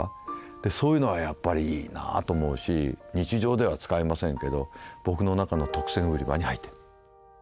でそういうのはやっぱりいいなと思うし日常では使いませんけど僕の中の特選売り場に入ってる。